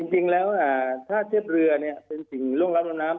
จริงแล้วถ้าเทียบเรือเป็นสิ่งร่วงรับลมน้ำ